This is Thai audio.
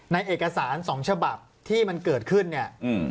เอกสารสองฉบับที่มันเกิดขึ้นเนี่ย